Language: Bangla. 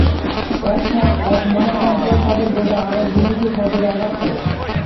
অর্থাৎ এক মহা কম্পন তাদের গোটা আবাসভূমিকে সজোরে আঘাত করে।